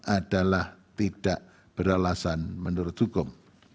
adalah tidak beralasan menurut hukum